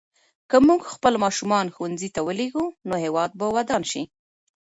که موږ خپل ماشومان ښوونځي ته ولېږو نو هېواد به ودان شي.